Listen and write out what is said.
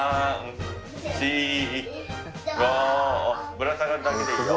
ぶら下がるだけでいいよ。